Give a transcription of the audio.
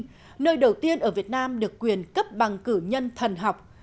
tỉnh dòng đa minh việt nam được quyền cấp bằng cử nhân thần học